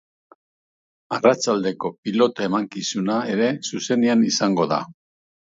Arratsaldeko pilota emankizuna ere zuzenean izango da.